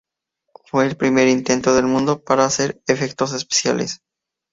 Fue el primer intento del mundo para hacer efectos especiales.